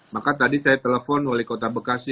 maka tadi saya telepon oleh kota bekasi